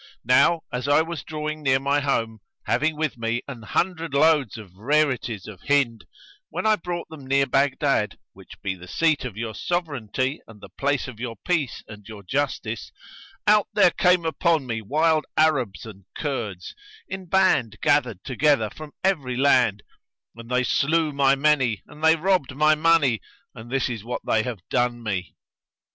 Now as I was drawing near my home, having with me an hundred loads of rarities of Hind, when I brought them near Baghdad, which be the seat of your sovereignty and the place of your peace and your justice, out there came upon me wild Arabs and Kurds[FN#114] in band gathered together from every land; and they slew my many and they robbed my money and this is what they have done me."